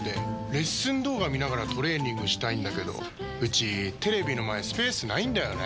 レッスン動画見ながらトレーニングしたいんだけどうちテレビの前スペースないんだよねー。